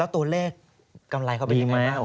ตัวเลขกำไรเขาเป็นยังไง